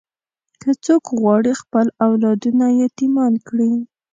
که څوک غواړي خپل اولادونه یتیمان کړي.